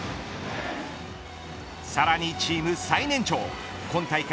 さらにチーム最年長今大会